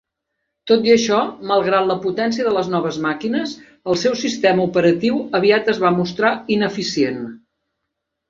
Tot i això, malgrat la potència de les noves màquines, el seu sistema operatiu aviat es va mostrar ineficient.